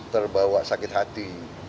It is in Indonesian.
terbawa sakit hati